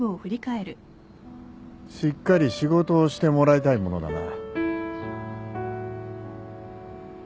しっかり仕事をしてもらいたいものだな。